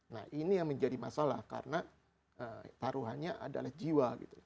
nah ini yang menjadi masalah karena taruhannya adalah jiwa gitu